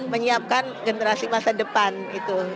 menyiapkan generasi masa depan gitu